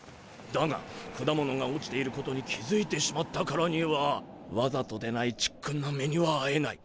だが果物が落ちていることに気づいてしまったからにはわざとでないちっくんな目にはあえない。